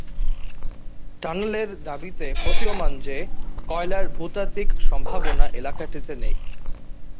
টানেলের দাবিতে প্রতীয়মান যে কয়লার ভূতাত্ত্বিক সম্ভাবনা এলাকাটিতে নেই।